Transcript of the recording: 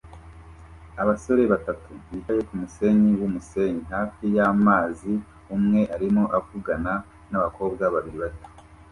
Abasore batatu bicaye kumusenyi wumusenyi hafi yamazi umwe arimo avugana nabakobwa babiri bato